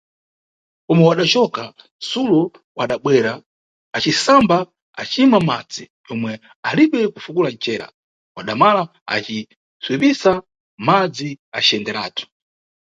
Pomwe wadacoka, Sulo adabwera, aciasamba, acima madzi yomwe alibe kufukula ncera, wadamala, aci psipisa madzi aciyenderatu.